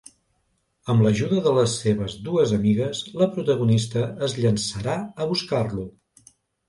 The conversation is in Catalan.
Amb l'ajuda de les seves dues amigues, la protagonista es llançarà a buscar-lo.